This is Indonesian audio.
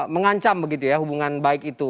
mengancam begitu ya hubungan baik itu